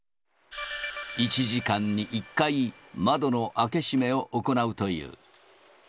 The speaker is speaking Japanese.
１時間に１回、窓の開け閉めを行うという。